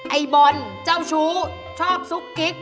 ไอ้บอลเจ้าชู้ชอบซุกกิ๊ก